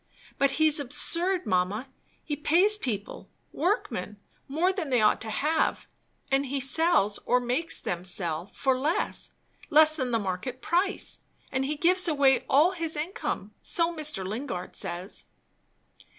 But he's absurd, mamma; he pays people, workmen, more than they ought to have; and he sells, or makes them sell, for less; less than the market price; and he gives away all his income. So Mr. Lingard says."